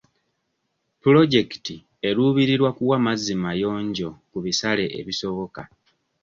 Pulojekiti eruubirira kuwa mazzi mayonjo ku bisale ebisoboka.